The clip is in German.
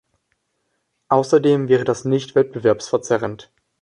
Außerdem wäre das nicht wettbewerbsverzerrend.